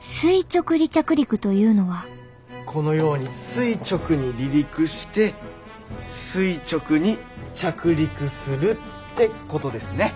垂直離着陸というのはこのように垂直に離陸して垂直に着陸するってことですね。